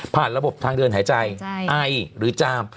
ระบบทางเดินหายใจไอหรือจาม